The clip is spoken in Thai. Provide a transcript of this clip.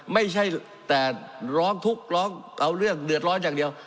ไม่ใช่แต่ร้องทุกข์ร้องเอาเรื่องเดือดร้อนอย่างเดียว